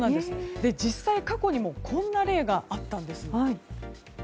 実際、過去にもこんな例があったんです。